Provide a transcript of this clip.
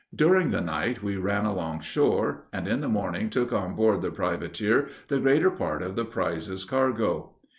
During the night, we ran along shore, and, in the morning, took on board the privateer the greater part of the prize's cargo.